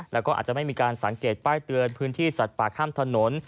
แล้วก็อาจจะไม่มีการสังเกตป้ายเตือนพื้นที่สัตว์ป่าข้ามถนน